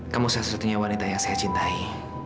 kamu sesuatu yang wanita yang saya cintai